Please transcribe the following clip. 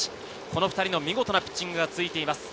２人の見事なピッチングが続いています。